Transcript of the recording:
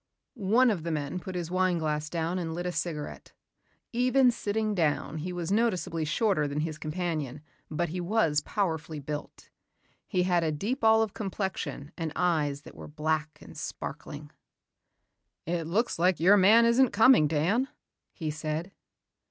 One of the men put his wine glass down and lit a cigarette. Even sitting down he was noticeably shorter than his companion but he was powerfully built. He had a deep olive complexion and eyes that were black and sparkling. "It looks like your man isn't coming, Dan," he said.